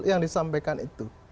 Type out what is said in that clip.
yang disampaikan itu